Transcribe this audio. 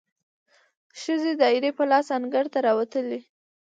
ښځې دایرې په لاس انګړ ته راووتلې،